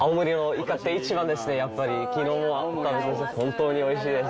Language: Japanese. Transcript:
やっぱり本当においしいです。